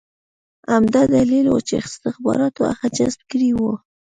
همدا دلیل و چې استخباراتو هغه جذب کړی و